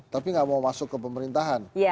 tapi nggak mau masuk ke pemerintahan